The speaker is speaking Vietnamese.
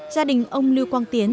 gia đình ông lưu quang tiến